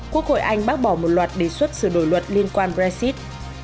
quốc hội anh bác bỏ một loạt đề xuất sửa đổi luật liên quan brexit